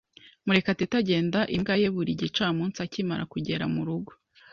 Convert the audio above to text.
Murekatete agenda imbwa ye buri gicamunsi akimara kugera murugo.